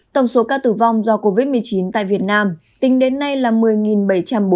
tổng số ca tử vong do covid một mươi chín tại việt nam tính đến nay là một mươi bảy trăm bốn mươi ca